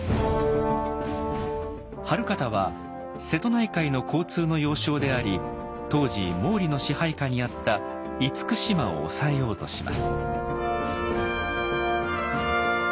晴賢は瀬戸内海の交通の要衝であり当時毛利の支配下にあった「厳島」を押さえようとします。